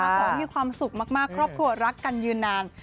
ขอให้มีความสุขมากครอบครัวรักกันยืนนาน